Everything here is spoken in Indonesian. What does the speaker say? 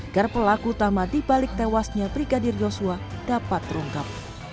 agar pelaku utama dibalik tewasnya brigadir yosua dapat terungkap